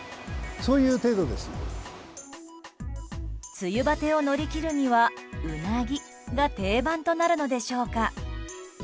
梅雨バテを乗り切るにはウナギが定番となるのでしょうか？